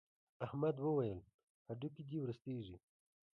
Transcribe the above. احمد وويل: هډوکي دې ورستېږي.